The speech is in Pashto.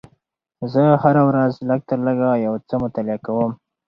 زه هره ورځ لږ تر لږه یو څه مطالعه کوم